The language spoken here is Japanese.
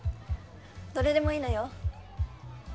どれでもいいのよ。